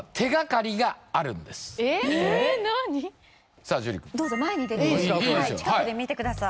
さあ樹くんどうぞ前に出て近くで見てください